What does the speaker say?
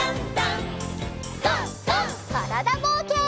からだぼうけん。